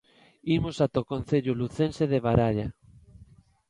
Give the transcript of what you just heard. Imos ata o concello lucense de Baralla.